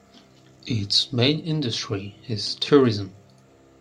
Its main industry is tourism.